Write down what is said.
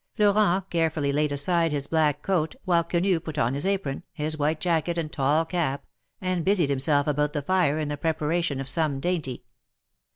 Florent carefully laid aside his black coat, while Quenu put on his apron, his white jacket and tall cap, and busied himself about the fire in the prepara tion of some dainty.